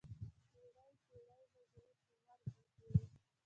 پیړۍ، پیړۍ به زما په مرګ وي تېرې